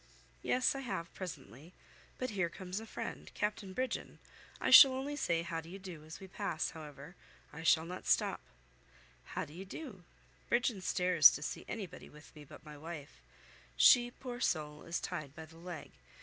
"Yes, I have, presently. But here comes a friend, Captain Brigden; I shall only say, 'How d'ye do?' as we pass, however. I shall not stop. 'How d'ye do?' Brigden stares to see anybody with me but my wife. She, poor soul, is tied by the leg.